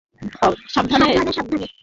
সাবধানে, সাবধানে।